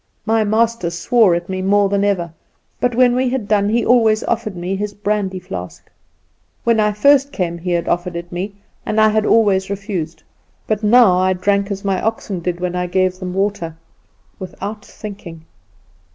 My master swore at me more than ever, but when he had done he always offered me his brandy flask. When I first came he had offered it me, and I had always refused; but now I drank as my oxen did when I gave them water without thinking.